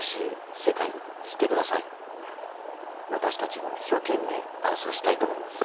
私たちも一生懸命伴走したいと思います。